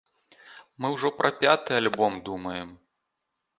Мы ўжо пра пяты альбом думаем.